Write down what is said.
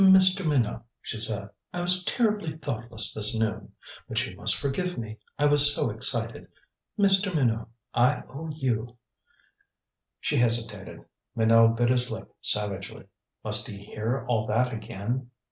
"Mr. Minot," she said, "I was terribly thoughtless this noon. But you must forgive me I was so excited. Mr. Minot I owe you " She hesitated. Minot bit his lip savagely. Must he hear all that again?